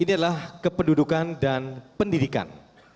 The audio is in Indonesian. ini adalah kependudukan dan pendidikan